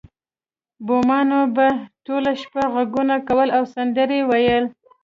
بومانو به ټوله شپه غږونه کول او سندرې ویلې